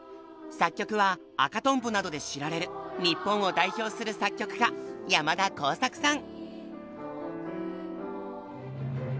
作曲は「赤とんぼ」などで知られる日本を代表する作曲家山田耕筰さん。